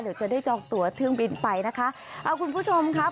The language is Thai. เดี๋ยวจะได้จองตัวเครื่องบินไปนะคะเอาคุณผู้ชมครับ